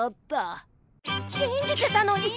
信じてたのに！